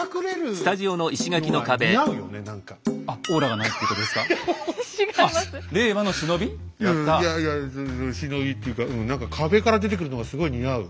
いやいや忍びっていうかうん何か壁から出てくるのがすごい似合う。